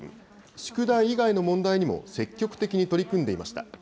宿題以外の問題にも、積極的に取り組んでいました。